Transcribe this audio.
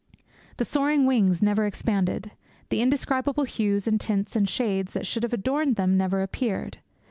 The soaring wings never expanded. The indescribable hues and tints and shades that should have adorned them never appeared.